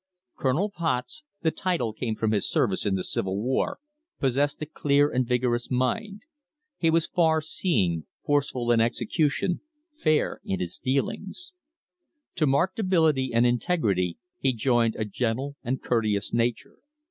Colonel Potts — the title came from his service in the Civil War — possessed a clear and vigorous mind; he was far seeing, forceful in execution, fair in his dealings. To marked ability and integrity he joined a gentle and courteous nature.